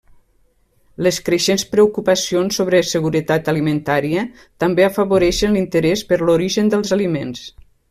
Les creixents preocupacions sobre seguretat alimentària també afavoreixen l'interès per l'origen dels aliments.